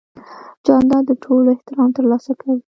جانداد د ټولو احترام ترلاسه کوي.